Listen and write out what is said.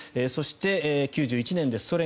そして、９１年です。